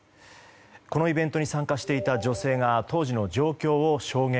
このイベントに参加していた女性が当時の状況を証言。